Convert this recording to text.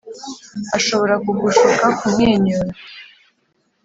ashobora kugushuka kumwenyura